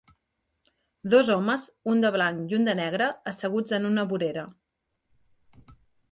Dos homes, un de blanc i un de negre, asseguts en una vorera.